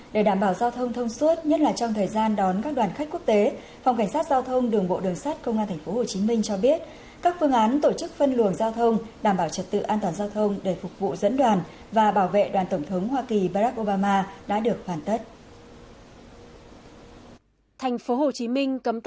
để đảm bảo giao thông thông suốt nhất là trong thời gian đón các đoàn khách quốc tế phòng cảnh sát giao thông đường bộ đường sát công an tp hcm cho biết các phương án tổ chức phân luồng giao thông đảm bảo trật tự an toàn giao thông để phục vụ dẫn đoàn và bảo vệ đoàn tổng thống hoa kỳ barack obama đã được hoàn tất